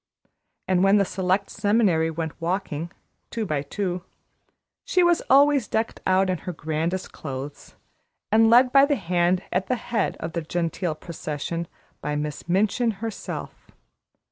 And when the Select Seminary went walking, two by two, she was always decked out in her grandest clothes, and led by the hand at the head of the genteel procession, by Miss Minchin herself.